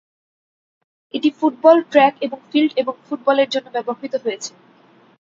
এটি football, track এবং field এবং ফুটবলের জন্য ব্যবহৃত হয়েছে।